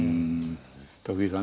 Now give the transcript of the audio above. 徳井さん